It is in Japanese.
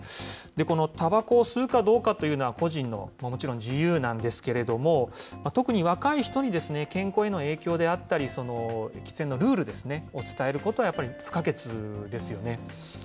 このたばこを吸うかどうかというのは個人の、もちろん自由なんですけれども、特に若い人に健康への影響であったり、喫煙のルールを伝えることはやっぱり不可欠ですよね。